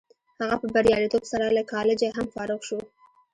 هغه په بریالیتوب سره له کالجه هم فارغ شو